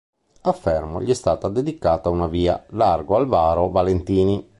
A Fermo gli è stata dedicata una via, "Largo Alvaro Valentini".